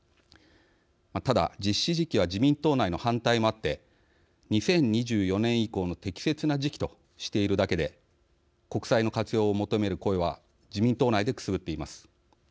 ただ実施時期は、自民党内の反対もあって２０２４年以降の適切な時期としているだけで国債の活用を求める声は自民党内でくすぶっています。